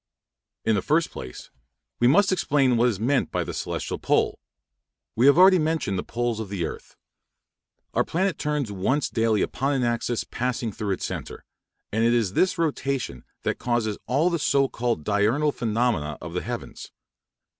In the first place, we must explain what is meant by the celestial pole. We have already mentioned the poles of the earth (p. 136). Our planet turns once daily upon an axis passing through its centre, and it is this rotation that causes all the so called diurnal phenomena of the heavens.